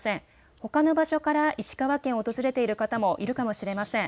ほかの場所から石川県を訪れている方もいるかもしれません。